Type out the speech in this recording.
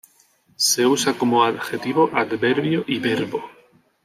Se usa como adjetivo, adverbio y verbo.